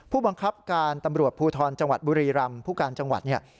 ผู้บังคับการตำรวจภูทรจังหวัดบุรีรำผู้การจังหวัดเนี่ย